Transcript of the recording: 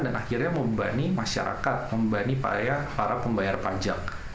dan akhirnya membani masyarakat membani para pembayar pajak